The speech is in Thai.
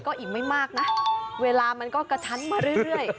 ก็อีกไม่มากนะเวลามันก็กระชั้นมาเรื่อย